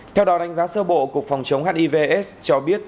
theo đó đánh giá sơ bộ cục phòng chống hiv aids cho biết